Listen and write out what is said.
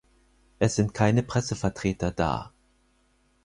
Es sind keine Pressevertreter da.